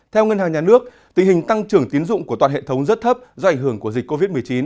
theo ngân hàng nhà nước tình hình tăng trưởng tiến dụng của toàn hệ thống rất thấp do ảnh hưởng của dịch covid một mươi chín